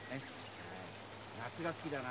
夏が好きだな。